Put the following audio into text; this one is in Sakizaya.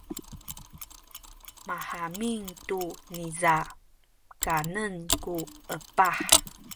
mahamin tu niza kanen ku epah.